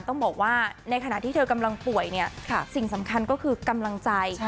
ต้องบอกว่าในขณะที่เธอกำลังป่วยเนี่ยสิ่งสำคัญก็คือกำลังใจ